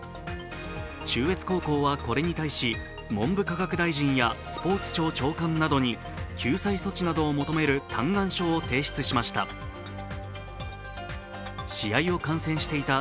中越高校はこれに対し、文部科学大臣やスポーツ庁長官などに救済措置などを求める嘆願書を提出しました。